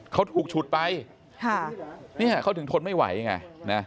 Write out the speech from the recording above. เขาถูกฉุดไปค่ะเนี่ยเขาถึงทนไม่ไหวไงนะ